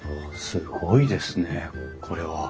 すごいですねこれは。